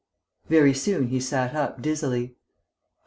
Very soon he sat up, dizzily.